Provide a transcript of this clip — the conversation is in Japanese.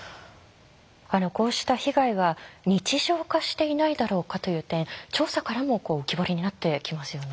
こうした被害が日常化していないだろうかという点調査からも浮き彫りになってきますよね。